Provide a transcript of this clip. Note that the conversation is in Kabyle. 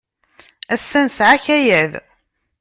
Ass-a, nesɛa akayad.